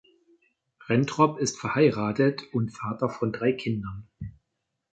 Rentrop ist verheiratet und Vater von drei Kindern.